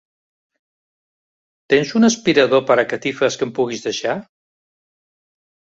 Tens un aspirador per a catifes que em puguis deixar?